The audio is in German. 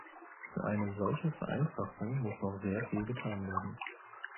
Für eine solche Vereinfachung muss noch sehr viel getan werden.